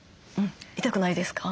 痛くないですか？